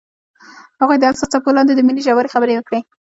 هغوی د حساس څپو لاندې د مینې ژورې خبرې وکړې.